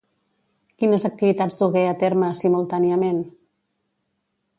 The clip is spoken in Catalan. Quines activitats dugué a terme, simultàniament?